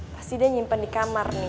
pasti dia nyimpen di kamar nih